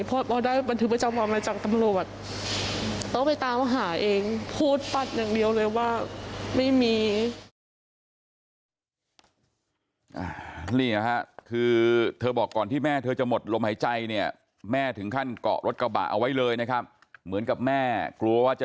เพราะว่าได้บันทึกประจำว่าอะไรจากตำรวจ